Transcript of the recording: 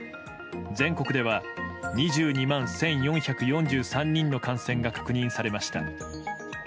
全国では２２万１４４３人の感染が確認されました。